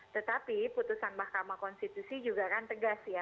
tetapi putusan mahkamah konstitusi juga kan tegas ya